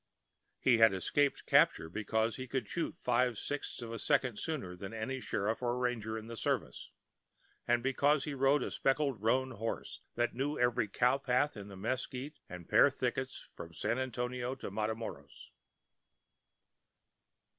He had escaped capture because he could shoot five sixths of a second sooner than any sheriff or ranger in the service, and because he rode a speckled roan horse that knew every cow path in the mesquite and pear thickets from San Antonio to Matamoras.